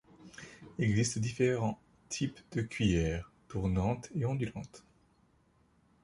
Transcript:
Il existe différent types de cuillères, tournantes et ondulantes.